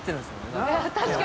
何か。